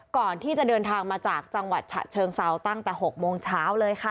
ก่อนที่จะเดินทางมาจากจังหวัดฉะเชิงเซาตั้งแต่๖โมงเช้าเลยค่ะ